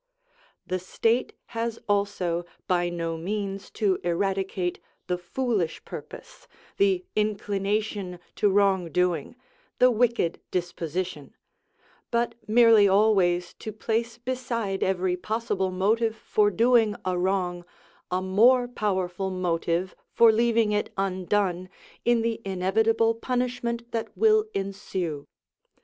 The state has also by no means to eradicate the foolish purpose, the inclination to wrong doing, the wicked disposition; but merely always to place beside every possible motive for doing a wrong a more powerful motive for leaving it undone in the inevitable punishment that will ensue.